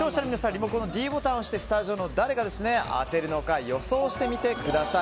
リモコンのｄボタンを押してスタジオの誰が当たるのか予想してみてください。